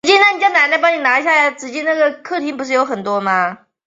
监督是芝山努。